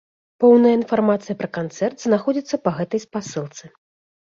Поўная інфармацыя пра канцэрт знаходзіцца па гэтай спасылцы.